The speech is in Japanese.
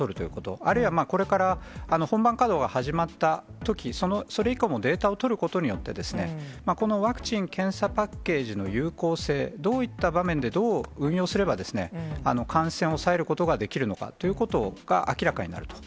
あるいはこれから本番稼働が始まったとき、それ以降もデータを取ることによって、このワクチン・検査パッケージの有効性、どういった場面でどう運用すれば、感染を抑えることができるのかということが明らかになると。